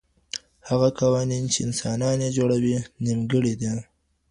هغه قوانین چي انسانان یې جوړوي نیمګړي دي.